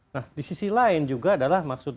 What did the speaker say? nah di sisi lain juga adalah maksud